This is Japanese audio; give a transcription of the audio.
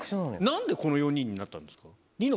なんでこの４人になったんですか？